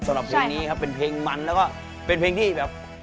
สำหรับเพลงนี้ครับเป็นเพลงมันแล้วก็เป็นเพลงที่แบบ